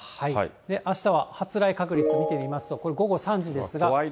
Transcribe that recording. あしたは発雷確率を見てみますと、これ、午後３時ですが。